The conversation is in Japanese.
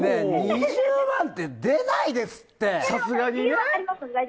２０万円って出ないですって！